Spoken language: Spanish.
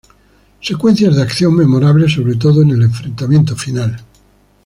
Secuencias de acción memorables, sobre todo en el enfrentamiento final".